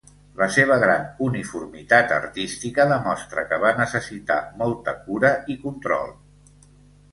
La seva gran uniformitat artística demostra que va necessitar molta cura i control.